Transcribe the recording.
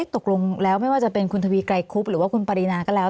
ตกลงแล้วไม่ว่าจะเป็นคุณทวีไกรคุบหรือว่าคุณปรินาก็แล้ว